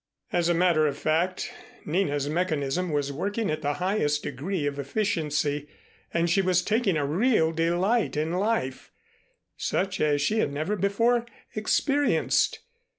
As a matter of fact, Nina's mechanism was working at the highest degree of efficiency and she was taking a real delight in life, such as she had never before experienced.